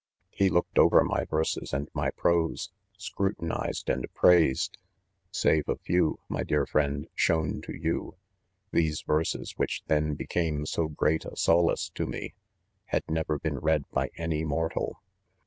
He looked over my verses and my prose'; scrutinized and prais ed, 4 Save a few, my dear friend, shown to you, these verses, which then became so great a so lace to me, had never been read by any mor tal.